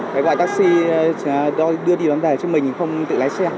cái gọi taxi đưa đi làm đầy chứ mình không tự lái xe